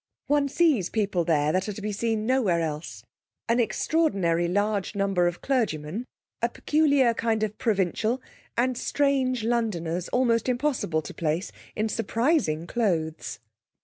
One sees people there that are to be seen nowhere else. An extraordinary large number of clergymen, a peculiar kind of provincial, and strange Londoners, almost impossible to place, in surprising clothes.